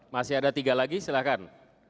masih ada tiga lagi silahkan